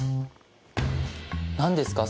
何ですか？